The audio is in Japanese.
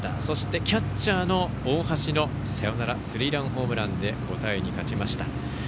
そしてキャッチャーの大橋のサヨナラスリーランホームランで５対２、勝ちました。